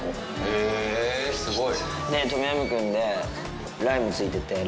へぇすごい！